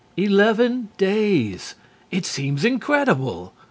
Eleven days. It seems incredible.